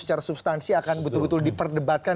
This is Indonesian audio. secara substansi akan betul betul diperdebatkan